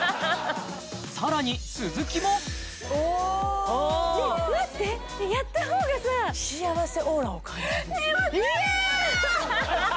さらに鈴木もおっ待ってやった方がさ幸せオーラを感じるいやっ！